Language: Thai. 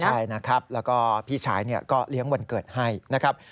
ใช่นะครับแล้วก็พี่ชายก็เลี้ยงวันเกิดให้นะครับ